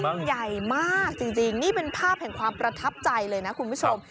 ใหญ่มากจริงนี่เป็นภาพแห่งความประทับใจเลยนะคุณผู้ชม